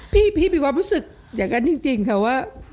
พี่มีความรู้สึกอย่างนั้นจริงค่ะว่า